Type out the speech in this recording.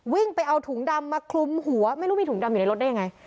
วิ่งไปเอาถุงดำมาคลุมหัวไม่รู้มีถุงดำอยู่ในรถได้ยังไง